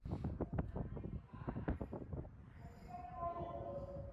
Kiki kye mubadde mwogerako mu kafubo ke mubaddemu.